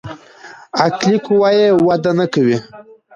عقلي قوه يې وده نکوي.